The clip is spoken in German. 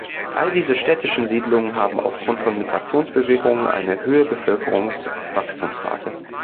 Alle diese städtischen Siedlungen haben aufgrund von Migrationsbewegungen eine höhe Bevölkerungswachstumsrate.